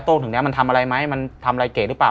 ตรงนี้มันทำอะไรไหมมันทำอะไรเก๋หรือเปล่า